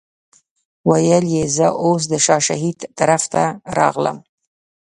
ویل یې زه اوس د شاه شهید طرف ته راغلم.